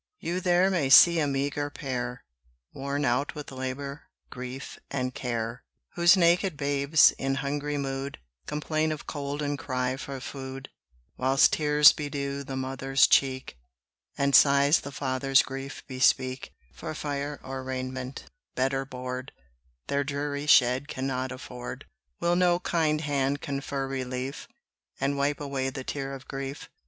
You there may see a meagre pair, Worn out with labour, grief, and care: Whose naked babes, in hungry mood, Complain of cold and cry for food; Whilst tears bedew the mother's cheek, And sighs the father's grief bespeak; For fire or raiment, bed or board, Their dreary shed cannot afford. Will no kind hand confer relief, And wipe away the tear of grief?